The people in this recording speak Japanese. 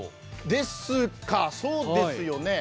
ですか、そうですよね。